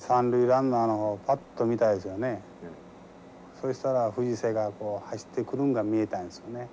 そしたら藤瀬が走ってくるんが見えたんですよね。